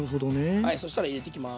はいそしたら入れてきます。